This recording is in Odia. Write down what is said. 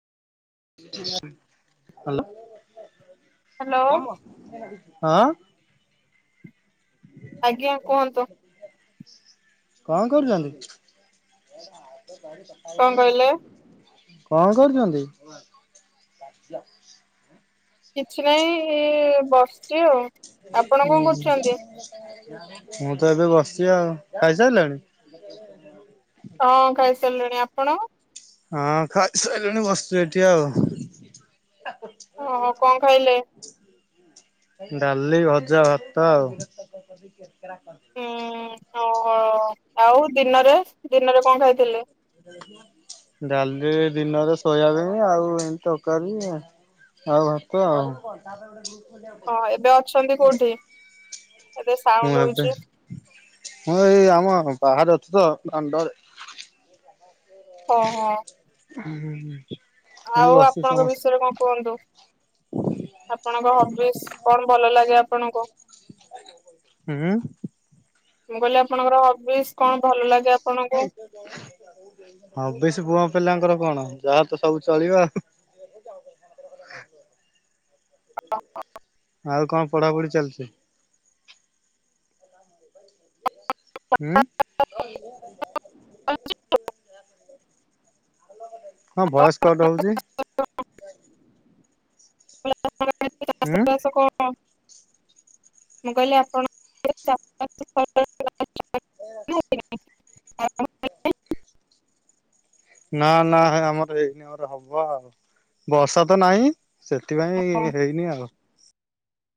ହାଲୋ ହ୍ୟାଲୋ ହଁ। ଆଜ୍ଞା କୁହନ୍ତୁ। କଣ କରୁଚନ୍ତି? କଣ କହିଲେ କଣ କରୁଚନ୍ତି? କିଛି ନାଇଁ ଏ ବସିଚି ଆଉ। ହୁଁ ଆପଣ କଣ କରୁଛନ୍ତି? ହୁଁ ମୁଁ ତ ଏବେ ବସିଚି ଆଉ ଖାଇସାଇଲଣି? ହଁ ଖାଇ ସାରିଲିଣି ଆପଣ? ହଁ ଖାଇସାଇଲିଣି ବସିଚି ଏଇଠି ଆଉ। ଆଉ କଣ ଖାଇଲେ? ଡାଲି, ଭଜା, ଭାତ ଆଉ। ହୁଁ ଓହୋ ଆଉ ଦିନରେ ଦିନରେ କଣ ଖାଇଥିଲେ? ଡାଲି ଦିନରେ ସୋୟାବିନ ଆଉ ଏମିତି ତକାରି। ଆଉ ଭାତ ଆଉ। ହଁ ଏବେ ଅଛନ୍ତି କୋଉଠି ଏବେ ମୁଁ ସାଉଣ୍ଡ ଆପେ ହଉଛି ହଁ ଏଇ ଆମ ବାହାରେ ଅଛୁ ତ ଦାଣ୍ଡରେ। ଓହୋ। ହୁଁ। ଆଉ ଆପଣଙ୍କ ବିଷୟରେ କଣ କୁହନ୍ତୁ? ଆପଣଙ୍କ ହବିସ କଣ ଭଲ ଲାଗେ ଆପଣଙ୍କୁ? ହୁଁ। ମୁଁ କହିଲି ଆପଣଙ୍କର ହବିସ୍ କଣ ଭଲ ଲାଗେ ଆପଣଙ୍କୁ? ହବିଶ ପୁଅ ପିଲାଙ୍କର କଣ ଯାହା ତ ସବୁ ଚଳିବ ଆଉ। [unintelligible] ଆଉ କଣ ପଢାପଢି ଚାଲିଛି? ଉଁ। ଆ [unintelligible] ହଁ ଭଏସ କଟ ହଉଚି। [unintelligible] ହଁ ହୁଁ। ମୁଁ କହିଲି ଆପଣ [unintelligible] [unintelligible] ନା ନା ଆମର ହେଇନି ଆମର ହବ ଆଉ ବର୍ଷା ତ ନାଇଁ। ସେଥିପାଇଁ ହେଇନି ଆଉ।